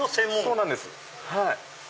そうなんです。